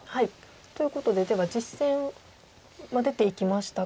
ということででは実戦は出ていきましたが。